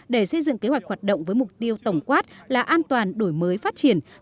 để xây dựng kế hoạch hoạt động với mục tiêu tổng quát là an toàn đổi mới phát triển